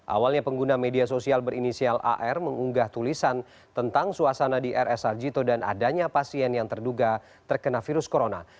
awalnya pengguna media sosial berinisial ar mengunggah tulisan tentang suasana di rs sarjito dan adanya pasien yang terduga terkena virus corona